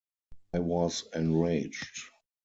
I was enraged.